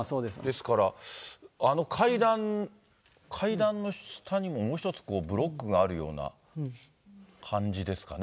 ですから、あの階段、階段の下にももう１つブロックがあるような感じですかね。